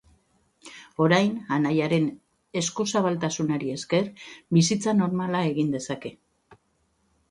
Orain, anaiaren eskuzabaltasunari esker, bizitza normala egin dezake.